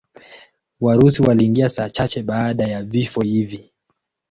Warusi waliingia saa chache baada ya vifo hivi.